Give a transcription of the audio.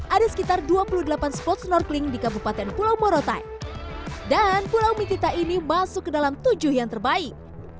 ada sekitar dua puluh delapan spot snorkeling di kabupaten pulau morotai dan pulau mitita ini masuk ke dalam tujuh yang terbaik